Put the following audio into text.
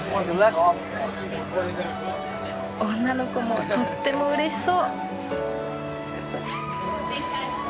女の子もとっても嬉しそう！